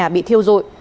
đã bị thiêu rội